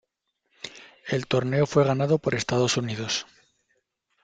El torneo fue ganado por Estados Unidos.